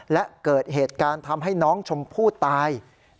และเกิดเหตุการณ์ทำให้น้องชมพู่ตาย